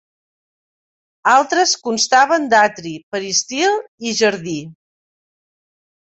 Altres constaven d'atri, peristil i jardí.